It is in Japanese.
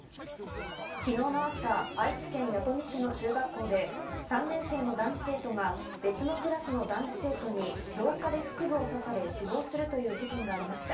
昨日の朝、愛知県弥富市の中学校で３年生の男子生徒が別のクラスの男子生徒に廊下で腹部を刺され死亡するという事件がありました。